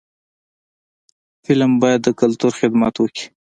فلم باید د کلتور خدمت وکړي